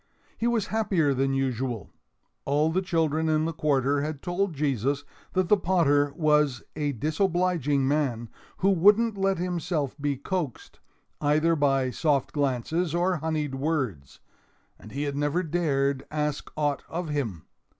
He was happier than usual. All the children in the quarter had told Jesus that the potter was a disobliging man, who wouldn't let himself be coaxed, either by soft glances or honeyed words, and he had never dared ask aught of him.